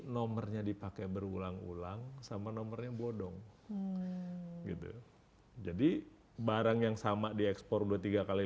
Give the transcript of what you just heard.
nomornya dipakai berulang ulang sama nomornya bodong gitu jadi barang yang sama diekspor dua puluh tiga kali